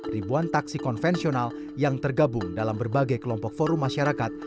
ribuan taksi konvensional yang tergabung dalam berbagai kelompok forum masyarakat